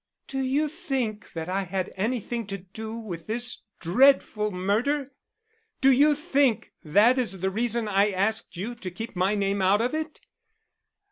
"Do you think that I had anything to do with this dreadful murder? Do you think that is the reason I asked you to keep my name out of it?"